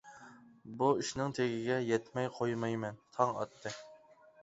بۇ ئىشنىڭ تېگىگە يەتمەي قويمايمەن. تاڭ ئاتتى.